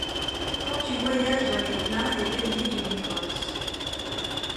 quand tu voyages dans les pleins et déliés d'une écorce.